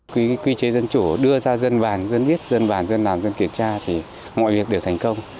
quy chế dân chủ đưa ra dân bàn dân viết dân bàn dân làm dân kiểm tra thì mọi việc đều thành công